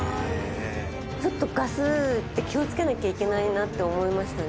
ちょっとガスって気をつけなきゃいけないなって思いましたね。